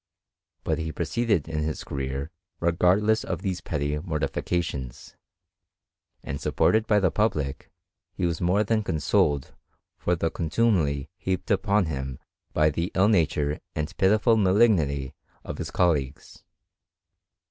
But he proceeded in his career regardless of these petty mor tifications; and supported by the public, he was more than (consoled for the contumely heaped upon him by the illnature and pitiful malignity of his colleagues.